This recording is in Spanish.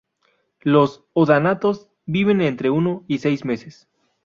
Los odonatos viven entre uno y seis meses.